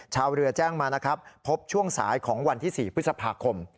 ชาวเรือแจ้งมานะครับพบช่วงสายของวันที่๔พฤษภาคม